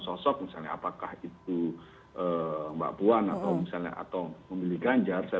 sosok misalnya apakah itu mbak puan atau misalnya atau memilih ganjar saya